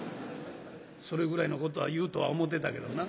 「それぐらいのことは言うとは思うてたけどな。